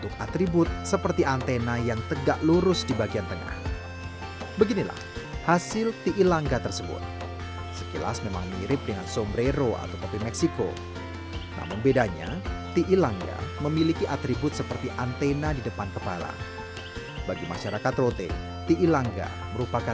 di nusa tenggara timur sasando dimainkan untuk beberapa keperluan